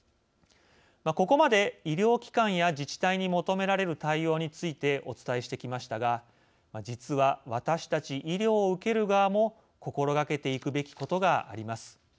ここまで、医療機関や自治体に求められる対応についてお伝えしてきましたが実は、私たち医療を受ける側も心がけていくべきことがあります。